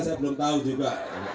saya belum tahu juga